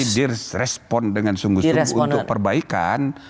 direspon dengan sungguh sungguh untuk perbaikan